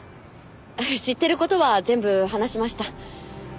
知ってる事は全部話しました。